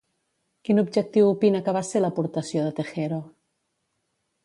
Quin objectiu opina que va ser l'aportació de Tejero?